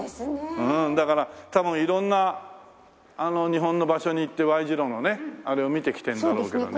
うんだから多分色んな日本の場所に行ってＹ字路のねあれを見てきてるんだろうけどね。